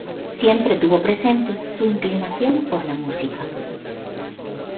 Siempre tuvo presente su inclinación por la música.